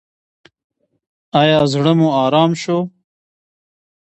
ایا زړه مو ارام شو؟